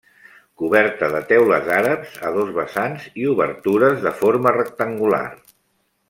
Coberta de teules àrabs a dos vessants i obertures de forma rectangular.